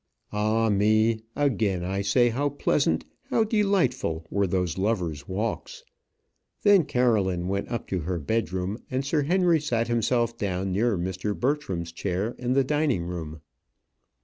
Ah, me! again I say how pleasant, how delightful were those lovers' walks! Then Caroline went up to her bedroom, and Sir Henry sat himself down near Mr. Bertram's chair in the dining room.